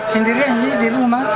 sendirian di rumah